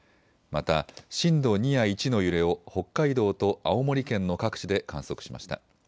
また震度２や１の揺れを北海道と青森県の各地で観測しました。